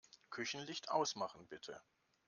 Küchenlicht ausmachen, bitte.